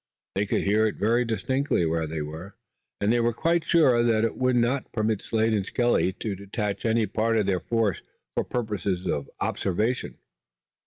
They could hear it very distinctly where they were, and they were quite sure that it would not permit Slade and Skelly to detach any part of their force for purposes of observation.